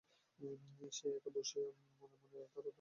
সে একা বসিয়া বসিয়া মনে মনে এক অত্যন্ত বৃহৎ অভিলাষের জাল বুনিতেছে।